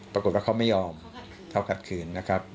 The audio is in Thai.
ปรากฏว่าเขาไม่ยอมเขาขัดขืนนะครับ